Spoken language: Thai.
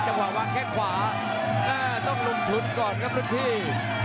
จังหวะว่าแค่ขวาก็ต้องลุมทุนก่อนครับรุ่นพี่